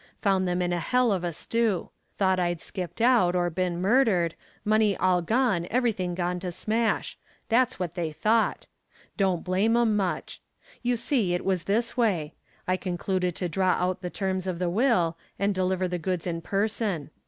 Found them in a hell of a stew. Thought I'd skipped out or been murdered. Money all gone, everything gone to smash. That's what they thought. Don't blame 'em much. You see it was this way: I concluded to follow out the terms of the will and deliver the goods in person.